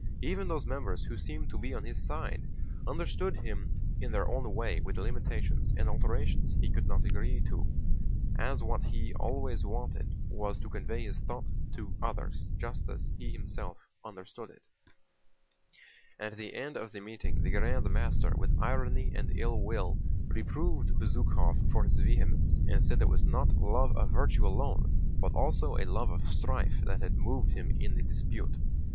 Even those members who seemed to be on his side understood him in their own way with limitations and alterations he could not agree to, as what he always wanted most was to convey his thought to others just as he himself understood it. * The Illuminati sought to substitute republican for monarchical institutions. At the end of the meeting the Grand Master with irony and ill will reproved Bezúkhov for his vehemence and said it was not love of virtue alone, but also a love of strife that had moved him in the dispute.